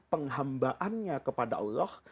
penghambaannya kepada allah